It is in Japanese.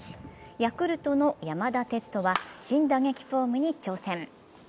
ヤクルトの山田哲人は新打撃フォームに挑戦。